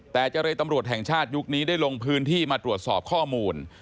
แต่เจรตำรวจแห่งชาติยุคนี้ได้ลงพื้นที่มาตรวจสอบข้อมูล